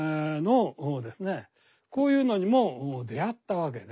こういうのにも出会ったわけで。